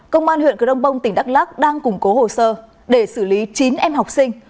công an huyện crong bông tỉnh đắk lắc đang củng cố hồ sơ để xử lý chín em học sinh